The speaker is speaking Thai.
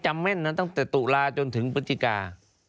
แม่นนะตั้งแต่ตุลาจนถึงพฤศจิกา